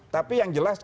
tapi yang jelas